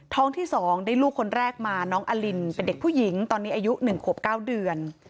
ที่๒ได้ลูกคนแรกมาน้องอลินเป็นเด็กผู้หญิงตอนนี้อายุ๑ขวบ๙เดือน